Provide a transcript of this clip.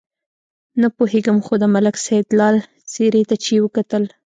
نه پوهېږم خو د ملک سیدلال څېرې ته چې وکتل.